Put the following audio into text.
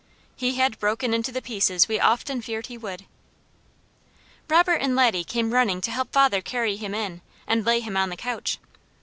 He had broken into the pieces we often feared he would. Robert and Laddie came running to help father carry him in, and lay him on the couch.